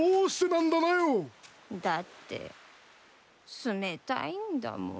だって冷たいんだもん。